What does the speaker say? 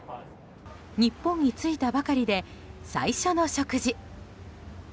日本に着いたばかりで最初の食事。